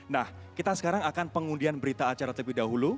nah kita sekarang akan pengundian berita acara terlebih dahulu